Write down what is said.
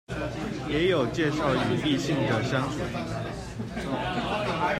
也有介紹與異性的相處